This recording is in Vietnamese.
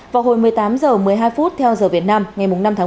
vào hồi một mươi tám h một mươi hai phút theo giờ việt nam ngày năm tháng bốn